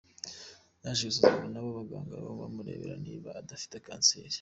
Yaje gusuzumwa n’abo baganga ngo bamurebere niba adafite Kanseri.